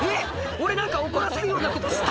俺何か怒らせるようなことした？」